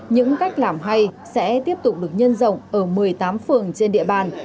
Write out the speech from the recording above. những cách làm hay sẽ tiếp tục được nhân rộng ở một mươi tám phường trên địa bàn